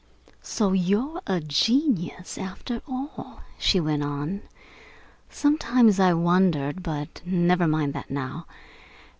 "So you're a genius, after all," she went on. "Sometimes I wondered but never mind that now.